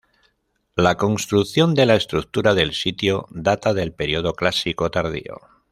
La construcción de la estructura del sitio data del Periodo Clásico Tardío.